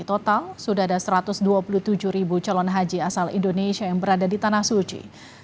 total sudah ada satu ratus dua puluh tujuh ribu calon haji asal indonesia yang berada di tanah suci